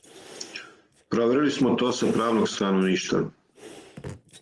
Проверили смо то са правног становишта...